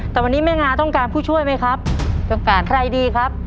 แต่วันนี้แม่งาต้องการผู้ช่วยไหมครับต้องการใครดีครับ